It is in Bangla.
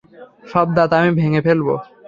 সব দাঁত আমি ভেঙ্গে ফেলব।